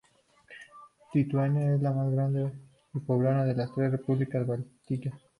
Lituania es la más grande y poblada de las tres repúblicas bálticas.